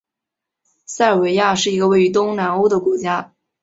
塞尔维亚是一个位于东南欧的国家。